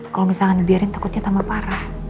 kalau misalnya dibiarin takutnya tambah parah